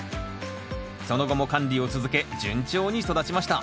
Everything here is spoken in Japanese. その後も管理を続け順調に育ちました。